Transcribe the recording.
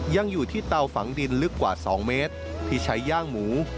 ยังอยู่ที่เตาฝังดินลึกกว่า๒เมตรที่ใช้ย่างหมู